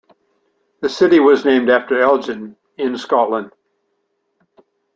The city was named after Elgin, in Scotland.